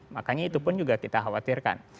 makanya itu pun juga kita khawatirkan